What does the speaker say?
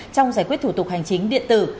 trong giải quyết thủ tục hành chính điện tử